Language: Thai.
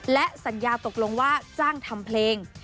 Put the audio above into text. และสัญญาตกลงว่าจ้างทำเพลง